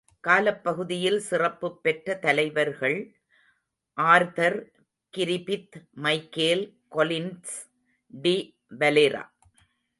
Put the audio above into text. காலப் பகுதியில் சிறப்புப் பெற்ற தலைவர்கள்.ஆர்தர் கிரிபித், மைக்கேல் கொலின்ஸ், டி வலெரா.